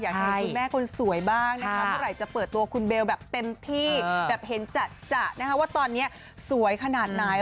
อยากให้คุณแม่คนสวยบ้างนะคะเมื่อไหร่จะเปิดตัวคุณเบลแบบเต็มที่แบบเห็นจัดนะคะว่าตอนนี้สวยขนาดไหน